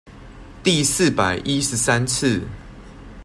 第四百一十三次